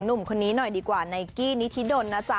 หนุ่มคนนี้หน่อยดีกว่าไนกี้นิธิดลนะจ๊